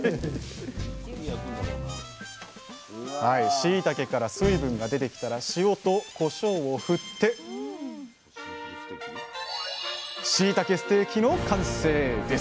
しいたけから水分が出てきたら塩とこしょうをふってしいたけステーキの完成です！